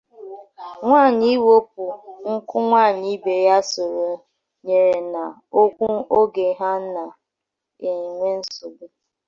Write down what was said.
nwaanyị iwepù nkụ nwaanyị ibe ya sonyere n'ọkụ oge ha na-enwe nsogbu